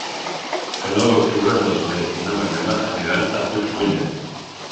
El nou d'octubre na Zoè i na Mariona aniran a Puigpunyent.